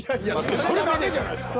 それダメじゃないですか。